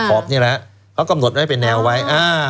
ขอบเนี้ยละเขากำหนดไว้เป็นแนวไว้อ่า